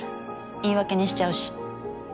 言い訳にしちゃうし。